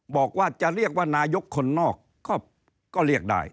บอกว่าจะเรียกว่านายกคนนอกก็เรียกได้